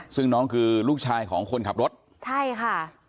ซึ่งน้องคือลูกชายของคนขับรถใช่ค่ะ